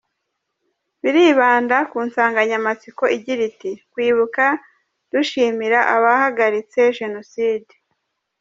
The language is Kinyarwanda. Biribanda ku nsanganyamatsiko igira iti “Kwibuka dushimira abahagaritse Jenoside”.